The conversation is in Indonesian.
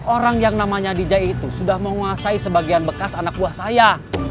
orang yang namanya dj itu sudah menguasai sebagian bekas anak buah saya